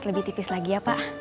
lebih tipis lagi ya pak